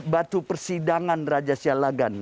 batu persidangan raja sialagan